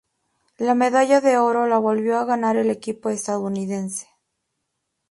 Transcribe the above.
La medalla de oro la volvió a ganar el equipo estadounidense.